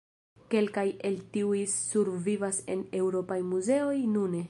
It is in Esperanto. Kelkaj el tiuj survivas en eŭropaj muzeoj nune.